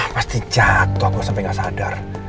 pasti jatuh aku sampai gak sadar